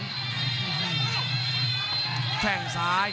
คมทุกลูกจริงครับโอ้โห